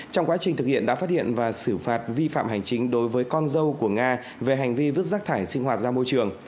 trong quá trình thực hiện đã phát hiện và xử phạt vi phạm hành chính đối với con dâu của nga về hành vi vứt rác thải sinh hoạt ra môi trường